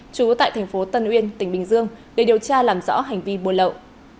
trú tại thành phố tân uyên tỉnh bình dương để điều tra làm rõ hành vi buôn lậu